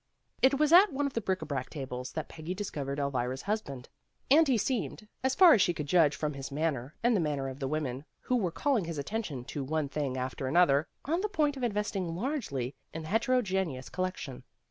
It was at one of the bric a brac tables that Peggy discovered Elvira's husband, and he seemed, as far as she could judge from his manner and the manner of the women who were calling his attention to one thing after another, on the point of investing largely in the heterogeneous collection.